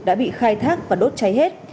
đã bị khai thác và đốt cháy hết